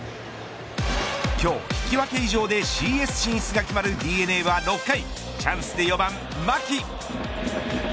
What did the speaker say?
今日、引き分け以上でＣＳ進出が決まるＤｅＮＡは６回チャンスで４番、牧。